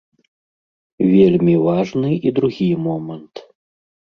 Вельмі важны і другі момант.